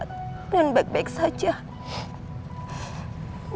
di lalu dari w gains